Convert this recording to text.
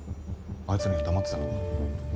あいつには黙ってたのか。